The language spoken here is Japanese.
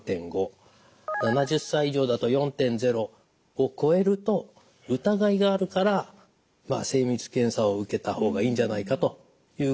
を超えると疑いがあるから精密検査を受けた方がいいんじゃないかということになります。